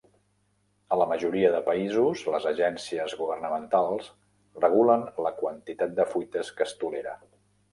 A la majoria de països, les agències governamentals regulen la quantitat de fuites que es tolera.